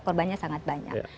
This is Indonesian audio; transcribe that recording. korbannya sangat banyak